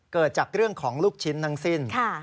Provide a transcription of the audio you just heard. เกิดจากเรื่องของลูกชิ้นทั้งสิ้น